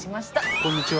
こんにちは。